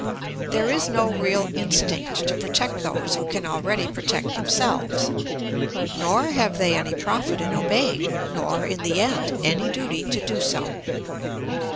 There is no real instinct to protect those who can already protect themselves; nor have they any profit in obeying nor, in the end, any duty to do so.